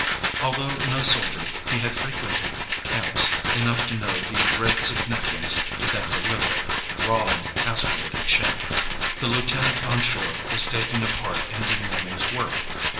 Although no soldier, he had frequented camps enough to know the dread significance of that deliberate, drawling, aspirated chant; the lieutenant on shore was taking a part in the morning's work.